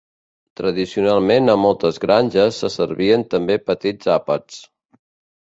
Tradicionalment a moltes granges se servien també petits àpats.